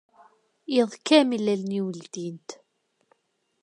Iḍ kamel, allen-iw ldint.